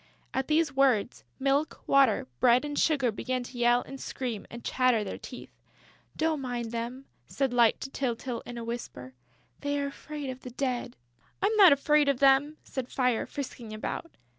At these words, Milk, Water, Bread and Sugar began to yell and scream and chatter their teeth. "Don't mind them," said Light to Tyltyl, in a whisper. "They are afraid of the Dead." "I'm not afraid of them!" said Fire, frisking about.